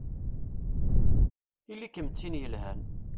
Ili-kem d tin yelhan!